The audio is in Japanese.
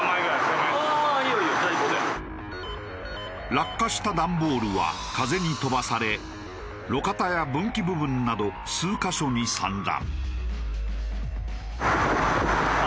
落下した段ボールは風に飛ばされ路肩や分岐部分など数カ所に散乱。